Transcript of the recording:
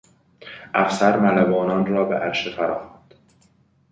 افسر ملوانان را به عرشه فراخواند.